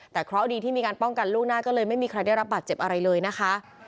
แต่เคราะห์ดีที่มีการป้องกันล่วงหน้าก็เลยไม่มีใครได้รับบาดเจ็บอะไรเลยนะคะ